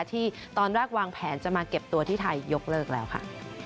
ที่ตอนแรกวางแผนจะมาเก็บตัวที่ไทยยกเลิกแล้วค่ะ